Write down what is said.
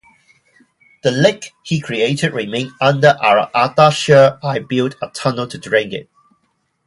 The lake he created remained until Ardashir I built a tunnel to drain it.